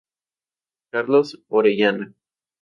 Carlos Orellana.